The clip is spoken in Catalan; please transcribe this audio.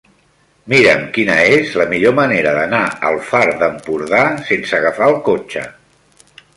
Mira'm quina és la millor manera d'anar al Far d'Empordà sense agafar el cotxe.